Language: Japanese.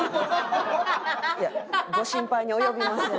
いやご心配に及びません。